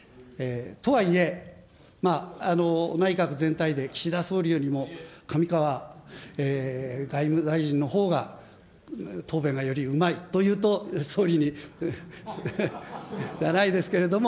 とはいえ、内閣全体で岸田総理よりも上川外務大臣のほうが答弁がより上手いというと総理に、じゃないですけれども、